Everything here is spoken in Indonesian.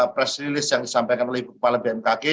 press release yang disampaikan oleh kepala bmkg